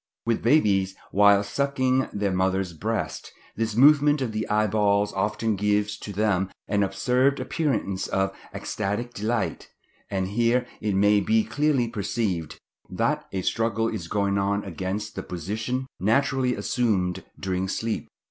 With babies, whilst sucking their mother's breast, this movement of the eyeballs often gives to them an absurd appearance of ecstatic delight; and here it may be clearly perceived that a struggle is going on against the position naturally assumed during sleep.